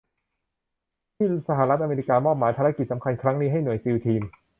ที่สหรัฐอเมริกามอบหมายภารกิจสำคัญครั้งนี้ให้หน่วยซีลทีม